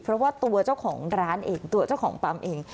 เพราะว่าตัวเจ้าของร้านเองตัวเจ้าของปั๊มเอง